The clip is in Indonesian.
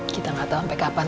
kita gak tau sampe kapan